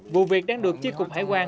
vụ việc đang được tri cục hải quan